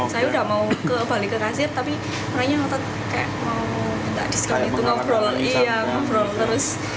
saya udah mau kembali ke kasir tapi orangnya nggak tahu kayak mau ngobrol